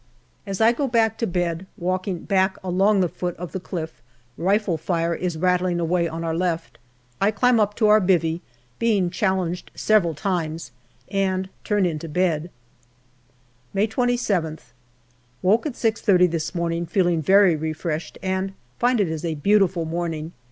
As I go back to bed, walking back along the foot of the cliff, rifle fire is rattling away on our left. I climb up to our " bivvy," being challenged several times, and turn into bed. MAY 105 May 27th. Woke at 6.30 this morning, feeling very refreshed, and find it is a beautiful morning.